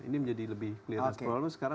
ini menjadi lebih clear